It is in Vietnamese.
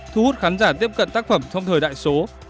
thu hút khán giả tiếp cận tác phẩm trong thời đại số